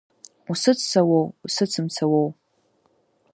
Усыццауоу, усыцымцауоу?